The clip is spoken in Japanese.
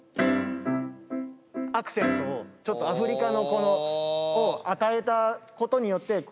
アクセントをちょっとアフリカのを与えたことによってこういう。